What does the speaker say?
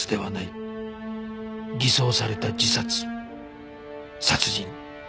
偽装された自殺殺人